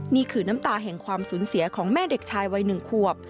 นี่คือน้ำตาแห่งความสูญเสียของแม่เด็กชายวัย๑ขวบ